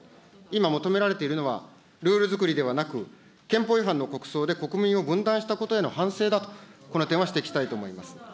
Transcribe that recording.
今、求められているのは、ルールづくりではなく、憲法違反の国葬で、国民を分断したことへの反省だと、この点は指摘したいと思います。